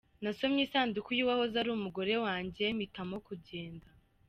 Nasomye isanduku y’uwahoze ari umugore wanjye mpitamo kugenda”.